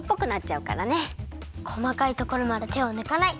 こまかいところまでてをぬかない！